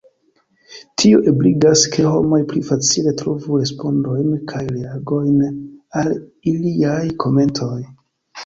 Tio ebligas, ke homoj pli facile trovu respondojn kaj reagojn al iliaj komentoj.